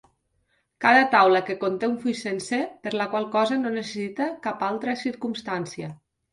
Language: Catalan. Cada taula que conté un full sencer, per la qual cosa no necessita cap altra circumstància.